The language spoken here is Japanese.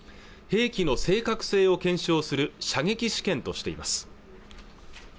兵器の正確性を検証する射撃試験としています